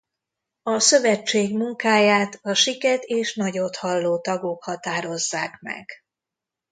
A Szövetség munkáját a siket és nagyothalló tagok határozzák meg.